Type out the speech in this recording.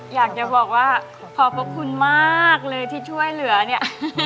อยากจะบอกว่าขอบพระคุณมากเลยที่ช่วยเหลือเนี่ย